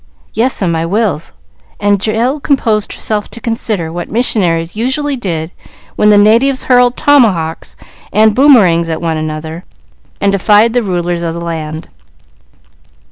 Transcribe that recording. "Yes, 'm, I will;" and Jill composed herself to consider what missionaries usually did when the natives hurled tomahawks and boomerangs at one another, and defied the rulers of the land.